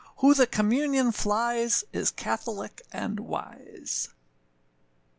Who the communion flies Is catholick and wise.